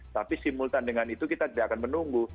tapi simultan dengan itu kita tidak akan menunggu